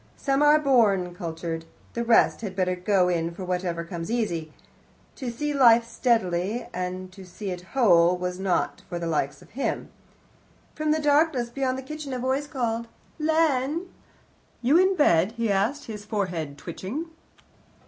Some are born cultured; the rest had better go in for whatever comes easy. To see life steadily and to see it whole was not for the likes of him. From the darkness beyond the kitchen a voice called, "Len?" "You in bed?" he asked, his forehead twitching.